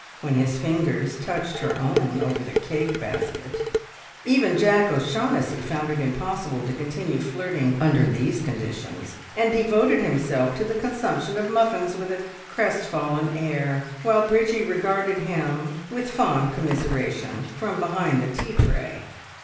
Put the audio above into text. when his fingers touched her own over the cake basket. Even Jack O'Shaughnessy found it impossible to continue flirting under these conditions, and devoted himself to the consumption of muffins with a crestfallen air, while Bridgie regarded him with fond commiseration from behind the tea tray.